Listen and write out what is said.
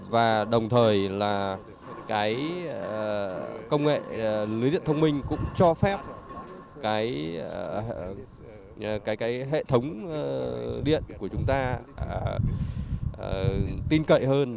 và đồng thời là cái công nghệ lưới điện thông minh cũng cho phép cái hệ thống điện của chúng ta tin cậy hơn